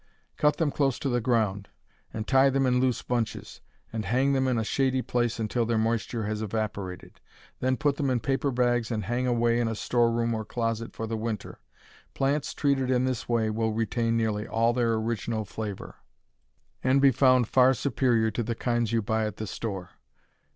Cut them close to the ground, and tie them in loose bunches, and hang them in a shady place until their moisture has evaporated. Then put them in paper bags and hang away in a store room or closet for the winter. Plants treated in this way will retain nearly all their original flavor, and be found far superior to the kinds you buy at the store.